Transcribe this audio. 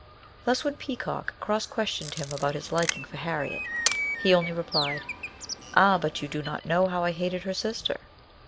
Thus when Peacock cross questioned him about his liking for Harriet, he only replied, " Ah, but you do not know how I hated her sister."